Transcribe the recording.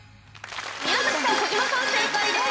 宮崎さん、児嶋さん正解です。